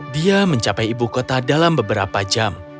dia mencapai ibu kota dalam beberapa jam